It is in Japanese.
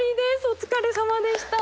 お疲れさまでした！